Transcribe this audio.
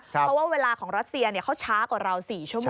เพราะว่าเวลาของรัสเซียเขาช้ากว่าเรา๔ชั่วโมง